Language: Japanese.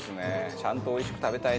ちゃんとおいしく食べたいな。